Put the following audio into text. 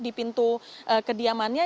di pintu kediamannya